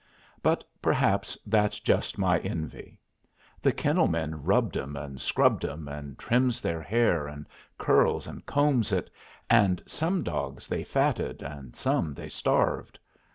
But perhaps that's just my envy. The kennel men rubbed 'em and scrubbed 'em, and trims their hair and curls and combs it, and some dogs they fatted and some they starved.